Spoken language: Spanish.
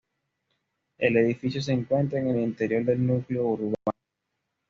El edificio se encuentra en el interior del núcleo urbano.